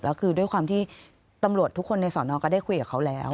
แล้วคือด้วยความที่ตำรวจทุกคนในสอนอก็ได้คุยกับเขาแล้ว